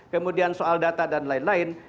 kemudian soal data dan lain lain